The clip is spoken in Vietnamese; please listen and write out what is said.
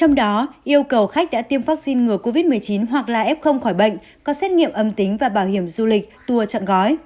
trong đó yêu cầu khách đã tiêm vaccine ngừa covid một mươi chín hoặc là f khỏi bệnh có xét nghiệm âm tính và bảo hiểm du lịch tour chọn gói